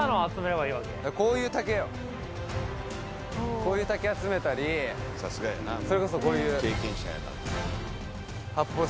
こういう竹集めたりそれこそこういう脱出